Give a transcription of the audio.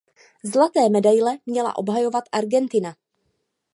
Zlaté medaile měla obhajovat Argentina.